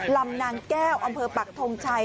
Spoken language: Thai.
ลำนางแก้วอำเภอปักทงชัย